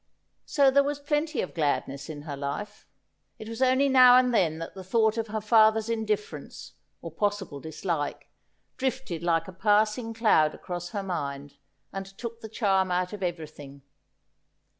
So there was plenty of gladness in her life. It was only now and then that the thought of her father's indifference, or possible dislike, drifted like a passing cloud across her mind, and took the charm out of everything.